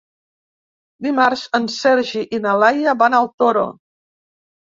Dimarts en Sergi i na Laia van al Toro.